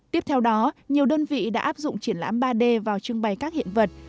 tiếp theo đó nhiều đơn vị đã áp dụng triển lãm ba d vào trưng bày các hiện vật